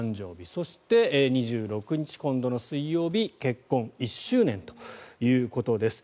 そして２６日、今度の水曜日結婚１周年ということです。